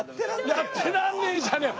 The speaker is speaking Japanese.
やってらんねえじゃねえよ！